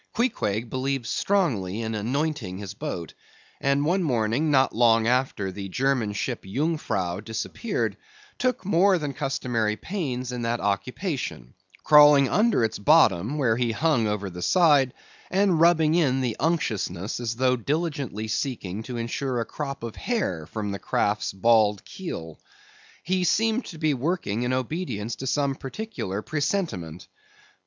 Queequeg believed strongly in anointing his boat, and one morning not long after the German ship Jungfrau disappeared, took more than customary pains in that occupation; crawling under its bottom, where it hung over the side, and rubbing in the unctuousness as though diligently seeking to insure a crop of hair from the craft's bald keel. He seemed to be working in obedience to some particular presentiment.